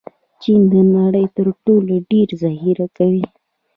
چین د نړۍ تر ټولو ډېر ذخیره کوي.